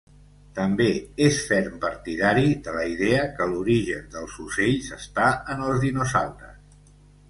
També és ferm partidari de la idea que l'origen dels ocells està en els dinosaures.